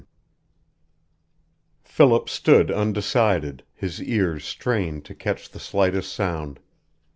VII Philip stood undecided, his ears strained to catch the slightest sound.